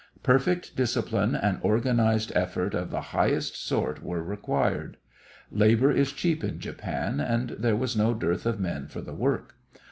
Perfect discipline and organized effort of the highest sort were required. Labor is cheap in Japan and there was no dearth of men for the work.